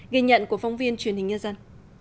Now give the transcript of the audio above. ghi nhận của phóng viên truyền hình nhân dân